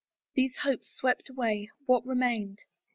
These hopes swept away, what remained?